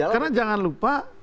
karena jangan lupa